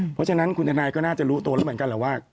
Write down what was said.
เพราะฉะนั้นคุณทนายก็น่าจะรู้ตัวแล้วเหมือนกันแหละว่า